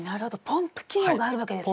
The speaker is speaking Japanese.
ポンプ機能があるわけですね！